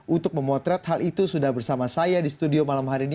untuk memotret hal itu sudah bersama saya di studio malam hari ini